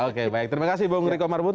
oke baik terima kasih bang riko marwun